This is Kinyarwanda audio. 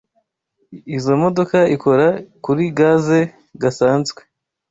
Izoi modoka ikora kuri gaze gasanzwe.